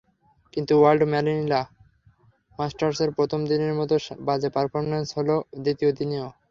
কিন্তু world Manila মাস্টার্সের প্রথম দিনের মতো বাজে পারফরম্যান্স হলো দ্বিতীয় দিনেও।